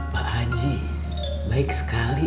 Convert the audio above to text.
pak haji baik sekali